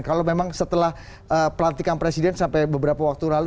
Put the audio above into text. kalau memang setelah pelantikan presiden sampai beberapa waktu lalu